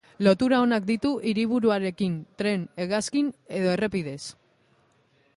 Lotura onak ditu hiriburuarekin, tren, hegazkin edo errepidez.